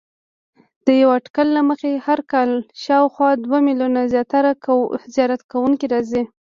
د یوه اټکل له مخې هر کال شاوخوا دوه میلیونه زیارت کوونکي راځي.